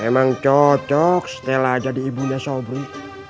emang cocok setelah jadi ibunya sobri